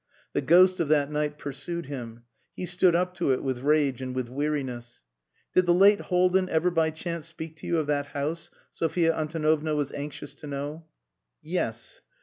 The ghost of that night pursued him. He stood up to it with rage and with weariness. "Did the late Haldin ever by chance speak to you of that house?" Sophia Antonovna was anxious to know. "Yes."